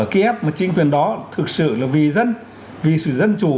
ký ép một chính quyền đó thực sự là vì dân vì sự dân chủ